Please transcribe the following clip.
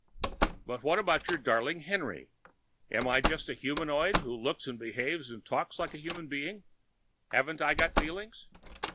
"But what about your darling Henry? Am I just a humandroid who looks and behaves and talks like a human being? Haven't I got feelings?"